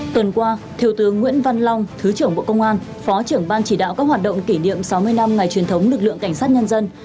tuần qua thiếu tướng nguyễn văn long thứ trưởng bộ công an phó trưởng ban chỉ đạo các hoạt động kỷ niệm sáu mươi năm ngày truyền thống lực lượng cảnh sát nhân dân